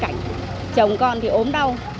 cảnh chồng con thì ốm đau